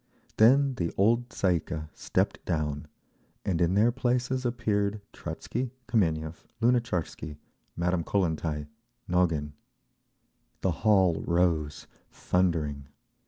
Then the old Tsay ee kah stepped down, and in their places appeared Trotzky, Kameniev, Lunatcharsky, Madame Kollentai, Nogin…. The hall rose, thundering.